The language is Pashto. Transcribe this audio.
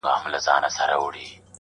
د لمر رڼا هم کمزورې ښکاري په هغه ځای،